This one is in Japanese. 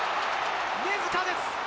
根塚です。